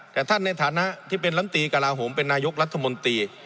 แต่ท่านในฐานะที่เป็นลำตีกระลาโหมเป็นนายกรัฐมนตรี